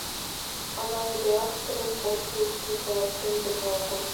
Ала эреак сырен коштын, луктын каласен гына огыл?